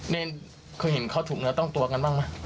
เคยเห็นเขาถูกเนื้อต้องตัวกันบ้างไหม